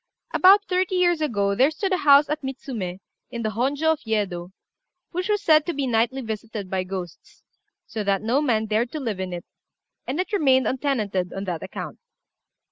About thirty years ago there stood a house at Mitsumé, in the Honjô of Yedo, which was said to be nightly visited by ghosts, so that no man dared to live in it, and it remained untenanted on that account.